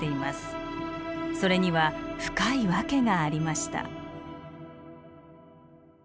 それには深い訳がありました。